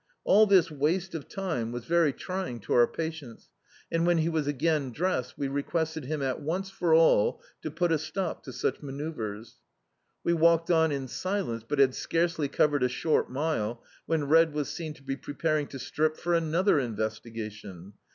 All this waste of time was very trying to our patience, and when he was again dressed, we requested him at once for all to put a stop to such manoeuvres. We walked on in silence, but had scarcely covered a short mile, when Red was seen to be preparing to strip for another in vestigation.